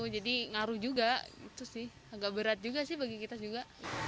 jadi ngaruh juga itu sih agak berat juga sih bagi kita juga